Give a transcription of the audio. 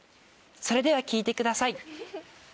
それでは聴いてください。